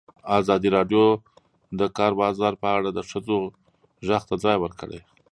ازادي راډیو د د کار بازار په اړه د ښځو غږ ته ځای ورکړی.